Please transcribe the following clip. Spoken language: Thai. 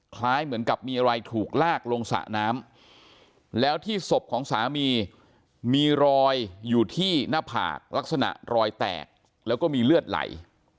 คล้ายเหมือนกับมีอะไรถูกลากลงสระน้ำแล้วที่ศพของสามีมีรอยอยู่ที่หน้าผากลักษณะรอยแตกแล้วก็มีเลือดไหล